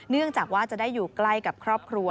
เนื่องจากว่าจะได้อยู่ใกล้กับครอบครัว